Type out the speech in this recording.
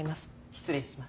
失礼します。